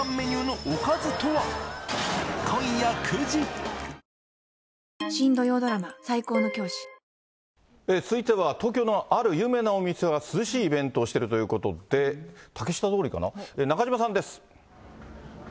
新「ブローネ泡カラー」「ブローネ」続いては東京のある有名なお店が涼しいイベントをしているということで、竹下通りかな、中島さんです。